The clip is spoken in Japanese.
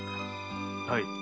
はい。